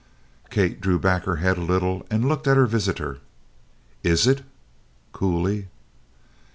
Kate drew back her head a little and looked at her visitor. "Is it?" coolly.